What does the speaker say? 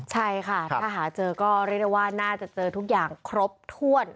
ใช่ค่ะถ้าหาเจอก็เรียกได้ว่าน่าจะเจอทุกอย่างครบถ้วน